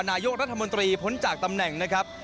นายกรัฐมนตรีพ้นจากตำแหน่งนะครับ